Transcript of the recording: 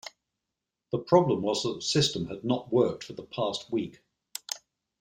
The problem was that the system had not worked for the past week